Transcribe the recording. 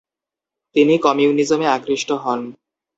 তিনি কমিউনিজমে আকৃষ্ট হন।